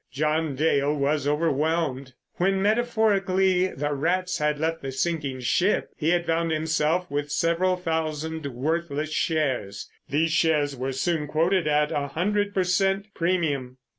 John Dale was overwhelmed. When, metaphorically, the rats had left the sinking ship, he had found himself with several thousand worthless shares. These shares were soon quoted at a hundred per cent. premium.